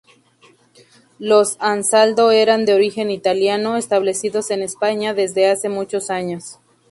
Los Ansaldo eran de origen italiano, establecidos en España desde hace muchos años.